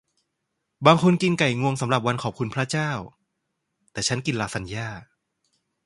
บางคนกินไก่งวงสำหรับวันขอบคุณพระเจ้า แต่ฉันกินลาซานญ่า